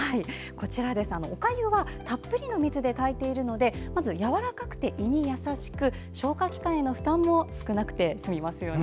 おかゆはたっぷりの水で炊いているのでまず、やわらかくて胃に優しく消化器官への負担も少なくて済みますよね。